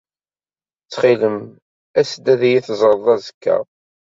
Ttxil-m, as-d ad iyi-teẓred azekka.